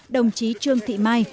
đồng chí trương thị mai